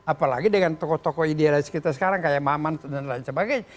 apalagi dengan tokoh tokoh idealis kita sekarang kayak maman dan lain sebagainya